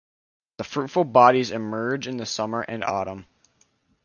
The fruitful bodies emerge in the summer and autumn.